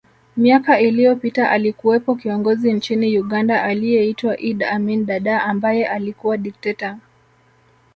Miaka iliyopita alikuwepo kiongozi nchini Uganda aliyeitwa Idd Amin Dada ambaye alikuwa dikteta